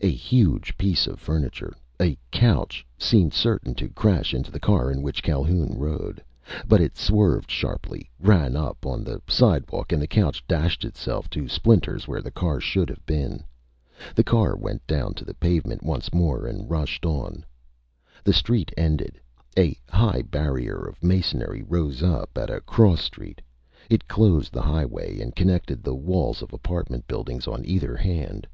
A huge piece of furniture, a couch, seemed certain to crash into the car in which Calhoun rode. But it swerved sharply, ran up on the sidewalk, and the couch dashed itself to splinters where the car should have been. The car went down to the pavement once more and rushed on. The street ended. A high barrier of masonry rose up at a cross street. It closed the highway and connected the walls of apartment buildings on either hand.